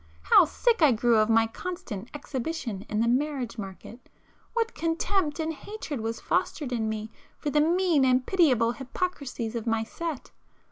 How sick I grew of my constant exhibition in the marriage market! What contempt and hatred was fostered in me for the mean and pitiable hypocrisies of my set!